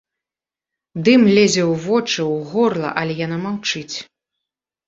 Дым лезе ў вочы, у горла, але яна маўчыць.